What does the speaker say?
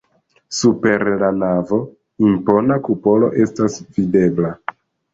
Super la navo impona kupolo estas videbla.